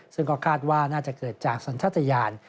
ซึ่งก็คาดว่าน่าจะเกิดจากสัญชาติยาน